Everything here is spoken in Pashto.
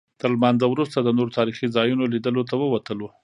تر لمانځه وروسته د نورو تاریخي ځایونو لیدلو ته ووتلو.